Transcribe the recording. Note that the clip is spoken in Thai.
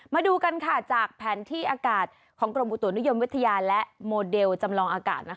มาดูกันจากแผนที่อากาศของกรมอุตุนิยมวิทยาและโมเดลจำลองอากาศ